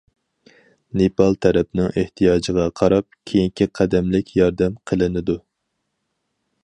نېپال تەرەپنىڭ ئېھتىياجىغا قاراپ كېيىنكى قەدەملىك ياردەم قىلىنىدۇ.